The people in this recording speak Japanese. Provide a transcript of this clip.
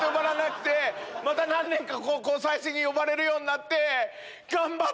また何年かここ最近呼ばれるようになって。